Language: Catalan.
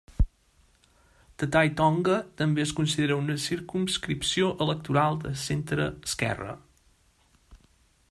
Te Tai Tonga també es considera una circumscripció electoral de centreesquerra.